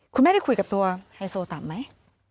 คุณแม่ได้คุยกับตัวไฮโซต่ำไหม